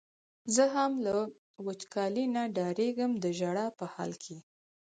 زه هم له وچکالۍ نه ډارېږم د ژړا په حال کې.